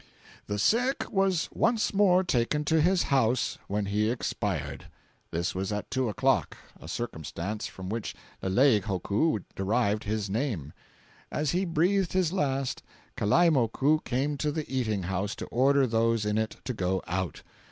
"The sick was once more taken to his house, when he expired; this was at two o'clock, a circumstance from which Leleiohoku derived his name. As he breathed his last, Kalaimoku came to the eating house to order those in it to go out.